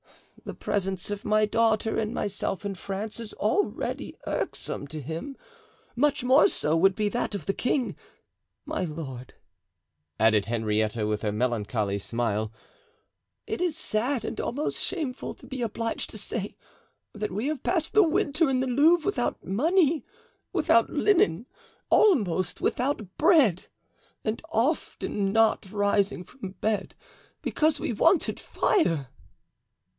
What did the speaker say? The presence of my daughter and myself in France is already irksome to him; much more so would be that of the king. My lord," added Henrietta, with a melancholy smile, "it is sad and almost shameful to be obliged to say that we have passed the winter in the Louvre without money, without linen, almost without bread, and often not rising from bed because we wanted fire."